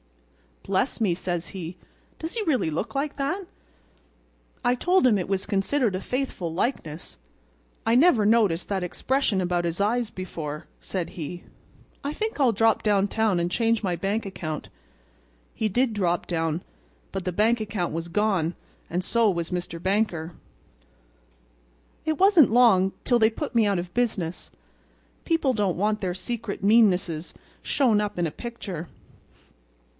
'Bless me,' says he, 'does he really look like that?" I told him it was considered a faithful likeness. 'I never noticed that expression about his eyes before,' said he; 'I think I'll drop downtown and change my bank account.' He did drop down, but the bank account was gone and so was Mr. Banker. "It wasn't long till they put me out of business. People don't want their secret meannesses shown up in a picture.